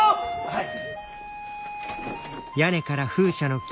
はい。